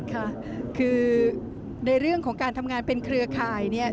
ค่ะคือในเรื่องของการทำงานเป็นเครือข่ายเนี่ย